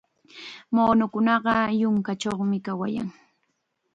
Muunukunaqa yunkachawmi kawayan.